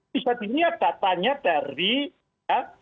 bisa dilihat datanya dari ya